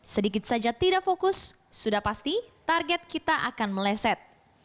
sedikit saja tidak fokus sudah pasti target kita akan meleset